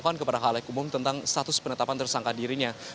tuhan kepada hal yang umum tentang status penetapan tersangka dirinya